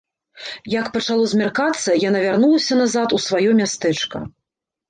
Як пачало змяркацца, яна вярнулася назад у сваё мястэчка.